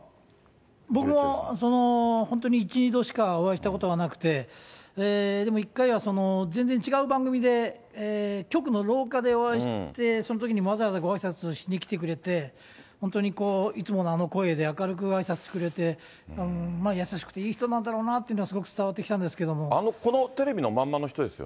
僕も本当に１、２度しかお会いしたことはなくて、でも１回は全然違う番組で、局の廊下でお会いして、そのときにもわざわざごあいさつをしに来てくれて、本当にいつものあの声で、明るくあいさつしてくれて、優しくていい人なんだろうなっていうのはすごく伝わってきたんでこのテレビのまんまの人です